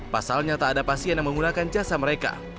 pasalnya tak ada pasien yang menggunakan jasa mereka